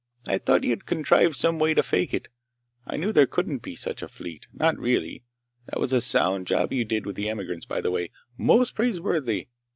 I thought you'd contrived some way to fake it. I knew there couldn't be such a fleet. Not really! That was a sound job you did with the emigrants, by the way. Most praiseworthy!